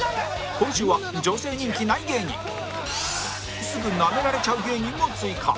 今週は女性人気ない芸人すぐナメられちゃう芸人も追加